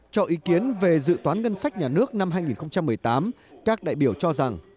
cho ý kiến về dự toán ngân sách nhà nước năm hai nghìn một mươi tám các đại biểu cho rằng